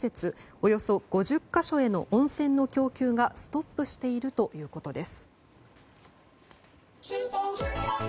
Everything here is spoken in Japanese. およそ５０か所への温泉の供給がストップしているということです。